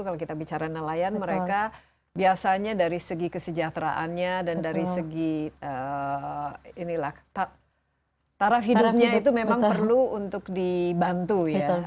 kalau kita bicara nelayan mereka biasanya dari segi kesejahteraannya dan dari segi taraf hidupnya itu memang perlu untuk dibantu ya